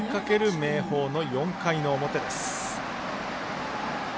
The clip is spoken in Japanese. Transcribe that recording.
明豊の４回の表。